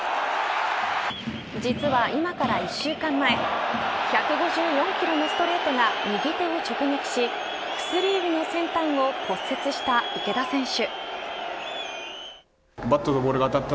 実は今から１週間前１５４キロのストレートが右手に直撃し薬指の先端を骨折した池田選手。